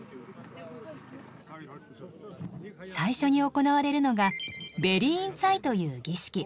最初に行われるのがベリーンツァイという儀式。